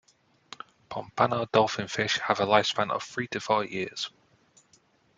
Pompano dolphinfish have a lifespan of three to four years.